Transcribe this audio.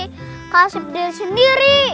kakak sahab diri sendiri